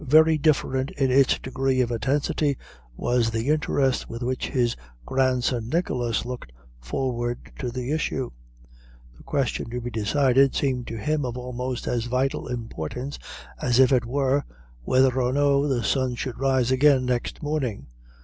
Very different in its degree of intensity was the interest with which his grandson Nicholas looked forward to the issue. The question to be decided seemed to him of almost as vital importance as if it were: Whether or no the sun should rise again next morning.